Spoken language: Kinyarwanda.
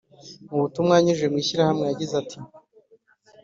Mu butumwa yanyujije mwishyirahamwe yagize iti